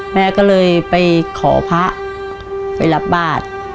แม่ก็เลยไปขอพระไปรับบาท